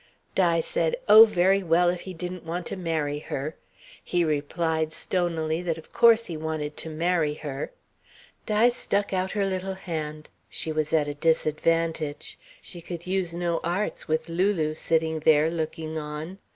Di said, oh very well, if he didn't want to marry her. He replied stonily that of course he wanted to marry her. Di stuck out her little hand. She was at a disadvantage. She could use no arts, with Lulu sitting there, looking on.